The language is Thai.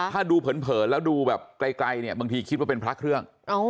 ถ้าดูเผินเผลอแล้วดูแบบไกลบางทีคิดว่าเป็นพลักเครื่อง